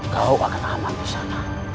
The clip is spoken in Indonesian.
kau akan aman disana